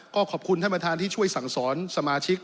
ก็ขอบคุณท่านประธานที่ช่วยสั่งสอนสมาชิก